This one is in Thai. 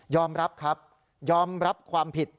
รับครับยอมรับความผิด